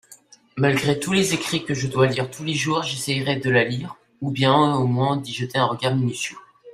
malgré tous les écrits que je dois lire tous les jours j'essaierai de la lire, ou bien au moins d'y jeter un regard minutieux.